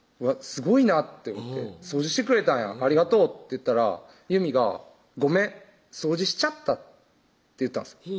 すごいなって思て「掃除してくれたんやありがとう」って言ったら祐美が「ごめん掃除しちゃった」って言ったんですよ